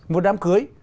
một đám cưới